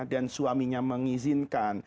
dan suaminya mengizinkan